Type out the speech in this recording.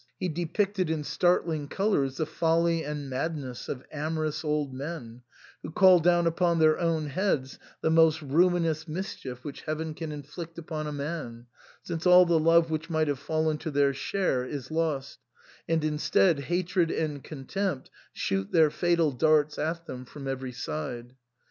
He depicted in startling colours the folly and madness of amorous old men, who call down upon their own heads the most ruinous mischief which Heaven can inflict upon a man, since all the love which might have fallen to their share is lost, and instead hatred and contempt shoot their fatal darts at them from every side.